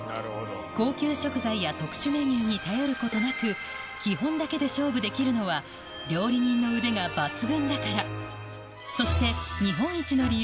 高級食材や特殊メニューに頼ることなく基本だけで勝負できるのは料理人の腕が抜群だからそして日本一の理由